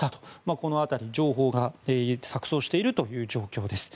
この辺り情報が錯綜している状況です。